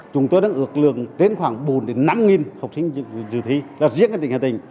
chúng tôi đang ước lượng đến khoảng bốn năm nghìn học sinh dự thi là riêng cái tỉnh hà tĩnh